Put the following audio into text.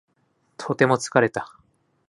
とても疲れた